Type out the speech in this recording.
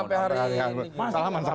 sampai hari ini harmonis